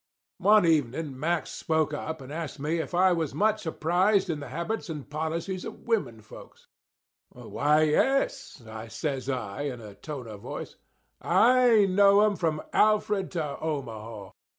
One evening Mack spoke up and asked me if I was much apprised in the habits and policies of women folks. "Why, yes," says I, in a tone of voice; "I know 'em from Alfred to Omaha.